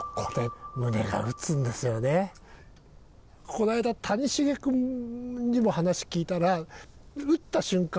この間谷繁君にも話聞いたら打った瞬間